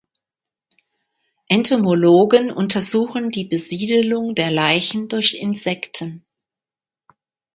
Entomologen untersuchen die Besiedelung der Leichen durch Insekten.